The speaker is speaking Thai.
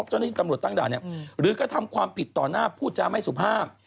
หรือก็ทำความผิดต่อหน้าผู้จำให้สุภาพ